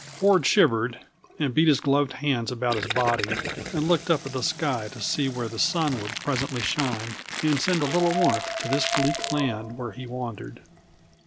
Ford shivered, and beat his gloved hands about his body, and looked up at the sky to see whether the sun would presently shine and send a little warmth to this bleak land where he wandered.